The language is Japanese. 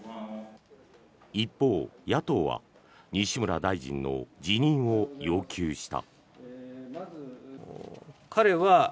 一方、野党は西村大臣の辞任を要求した。